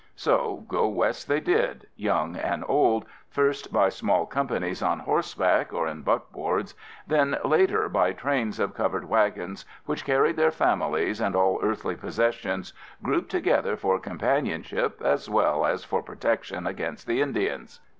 So go West they did, young and old, first by small companies on horseback or in buckboards, then later by trains of covered wagons which carried their families and all earthly possessions, grouped together for companionship as well as for protection against the Indians.